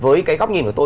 với cái góc nhìn của tôi